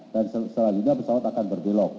dan setelah ini pesawat akan berbelok